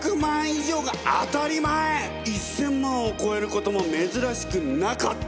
１，０００万を超えることも珍しくなかった！